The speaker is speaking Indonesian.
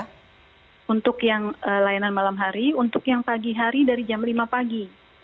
nah untuk yang layanan malam hari untuk yang pagi hari dari jam lima pagi